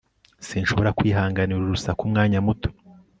Sinshobora kwihanganira urwo rusaku umwanya muto